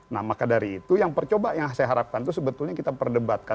nah maka dari itu yang percoba yang saya harapkan itu sebetulnya kita perdebatkan